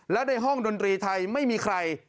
และในห้องดนตรีไทยไม่มีใคร